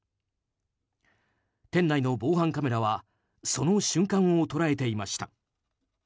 店内の防犯カメラはその瞬間を捉えていました。